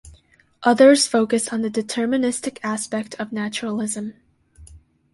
Others focus on the deterministic aspect of naturalism.